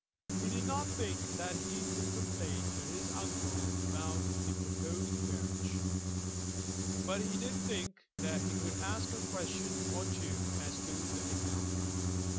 He did not think that he could complain to his uncle about the proposed marriage; but he did think that he could ask a question or two as to the income.